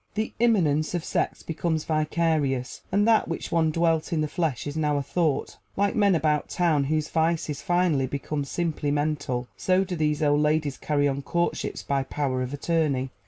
The immanence of sex becomes vicarious, and that which once dwelt in the flesh is now a thought: like men about town, whose vices finally become simply mental, so do these old ladies carry on courtships by power of attorney.